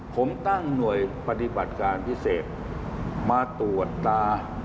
ผมตั้งหน่วยปฏิบัติการพิเศษมาตรวจตา